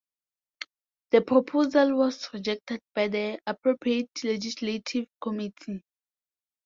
The proposal was rejected by the appropriate legislative committee.